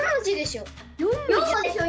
４こでしょ！？